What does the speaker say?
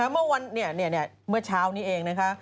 เมื่อวันเนี่ยเมื่อเช้านี้เองนะคะ